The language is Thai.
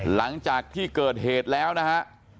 หลังจากที่เกิดเหตุแล้วนะฮะ